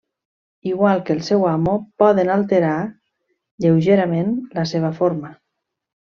Igual que el seu amo, poden alterar lleugerament la seva forma.